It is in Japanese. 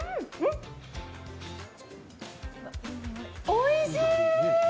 おいしい！